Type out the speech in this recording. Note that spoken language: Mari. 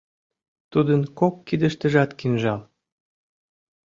Тудын кок кидыштыжат кинжал.